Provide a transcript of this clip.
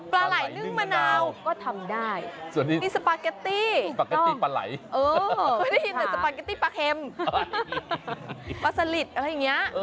ปลาไหล่หนึ่งมะนาวก็ทำได้สปาเก็ตตี้ปลาไหล่ไม่ได้ยินแต่สปาเก็ตตี้ปลาเข็มปลาสลิดอะไรอย่างนี้